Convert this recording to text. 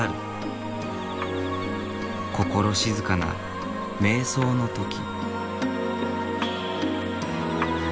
心静かな瞑想の時。